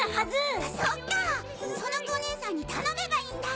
あっそっか園子お姉さんに頼めばいいんだ！